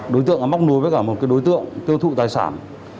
đối tượng móc nối với cả một đối tượng tiêu thụ tài sản